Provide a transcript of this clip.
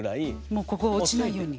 もうここ落ちないように。